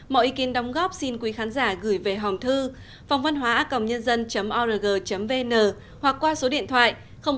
mọi ý kiến đóng góp xin quý khán giả gửi về hòm thư phongvănhoa org vn hoặc qua số điện thoại hai trăm bốn mươi ba hai trăm sáu mươi sáu chín nghìn năm trăm linh tám